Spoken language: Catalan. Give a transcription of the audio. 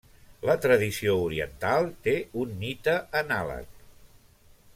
La tradició oriental té un mite anàleg.